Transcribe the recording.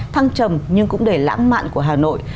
thăng trầm nhưng cũng đầy lãng mạn của hà nội